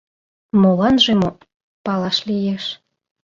— Моланже мо... палаш лиеш...